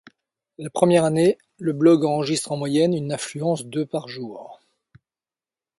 La première année, le blog enregistre en moyenne une affluence de par jour.